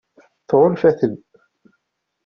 Tɣunfa-ten?